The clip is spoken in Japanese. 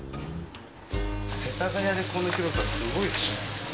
世田谷でこの広さすごいですね。